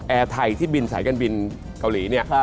แอร์ไทยที่บินสายแก้นบินเกาหลีเนี่ย